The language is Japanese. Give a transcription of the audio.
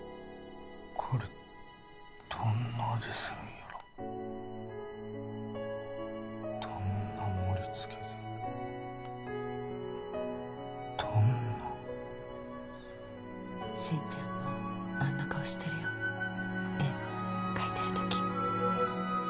これどんな味するんやろどんな盛りつけでどんな・新ちゃんもあんな顔してるよ絵描いてるとき